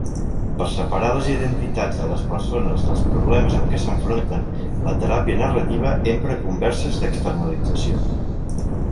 Per separar les identitats de les persones dels problemes amb què s'enfronten, la teràpia narrativa empra converses d'externalització.